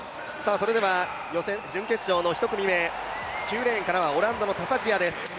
それでは予選準決勝の１組目９レーンからはオランダのタサ・ジヤです。